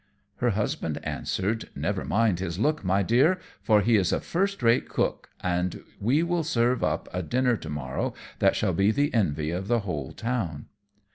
Her husband answered, "Never mind his look, my Dear, for he is a first rate cook, and we will serve up a dinner to morrow that shall be the envy of the whole town."